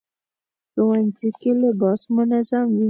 ښوونځی کې لباس منظم وي